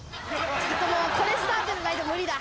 ちょっともうこれスタートじゃないと無理だ。